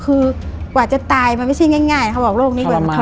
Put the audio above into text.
คือกว่าจะตายมันไม่ใช่ง่ายเค้าบอก